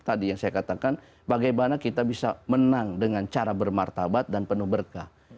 tadi yang saya katakan bagaimana kita bisa menang dengan cara bermartabat dan penuh berkah